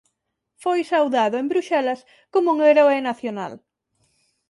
Foi saudado en Bruxelas como un heroe nacional.